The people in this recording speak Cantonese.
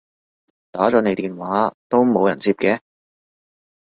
打咗你電話都冇人接嘅